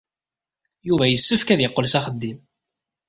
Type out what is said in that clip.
Yuba yessefk ad yeqqel s axeddim.